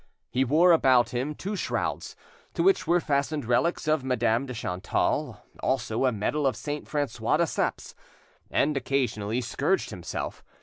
He wore about him two shrouds, to which were fastened relics of Madame de Chantal, also a medal of St. Francois de Saps, and occasionally scourged himself.